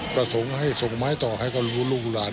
ประสงค์ให้ส่งไหม้ต่อให้คนรู้ลูกหลาน